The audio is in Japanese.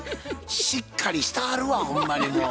しっかりしてはるわほんまにもう。